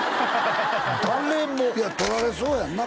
誰もいや撮られそうやんな